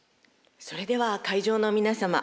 それでは会場の皆様